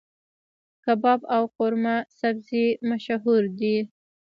کباب او قورمه سبزي مشهور دي.